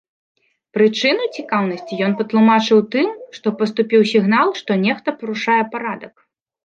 Прычыну цікаўнасці ён патлумачыў тым, што паступіў сігнал, што нехта парушае парадак.